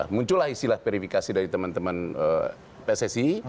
muncul lah istilah verifikasi dari teman teman pssi